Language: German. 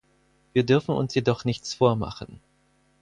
Wir dürfen uns jedoch nichts vormachen.